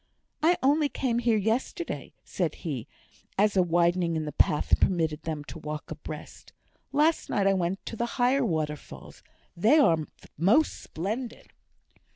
"I only came here yesterday," said he, as a widening in the path permitted them to walk abreast. "Last night I went to the higher waterfalls; they are most splendid."